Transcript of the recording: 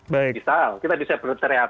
misal kita bisa berteriajur